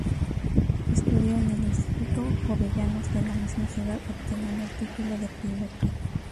Estudió en el Instituto Jovellanos de la misma ciudad obteniendo el título de piloto.